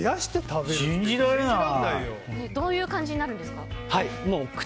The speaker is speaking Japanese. どういう感じになるんですか？